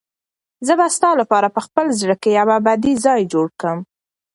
زه به ستا لپاره په خپل زړه کې یو ابدي ځای جوړ کړم.